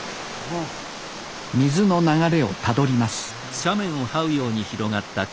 水の流れをたどります